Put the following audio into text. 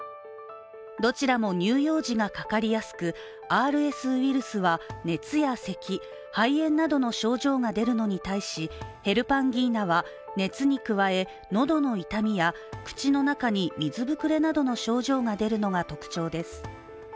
どちらも乳幼児がかかりやすく、ＲＳウイルスは熱やせき、肺炎などの症状が出るのに対しヘルパンギーナは、熱に加え喉の痛みや口の中に水膨れなどの症状が出るのが特徴です。